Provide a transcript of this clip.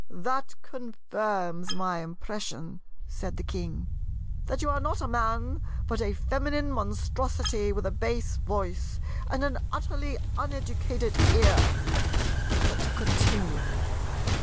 "That confirms my impression," said the King, "that you are not a Man, but a feminine Monstrosity with a bass voice, and an utterly uneducated ear. But to continue.